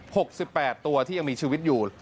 หกสิบแปดตัวที่ยังมีชีวิตอยู่